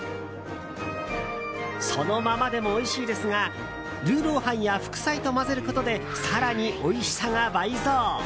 そのままでもおいしいですが魯肉飯や副菜と混ぜることで更においしさが倍増！